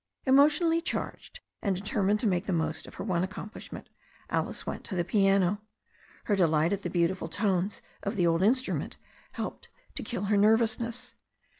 Emotionally charged, and determined to make the most of her one accomplishment, Alice went to the piano. Her de light at the beautiful tones of the old instrument helped to kill her nervousness.